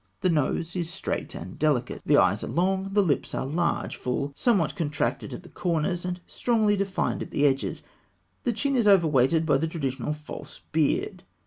The nose is straight and delicate, the eyes are long, the lips are large, full, somewhat contracted at the corners, and strongly defined at the edges. The chin is overweighted by the traditional false beard.